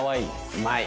うまい！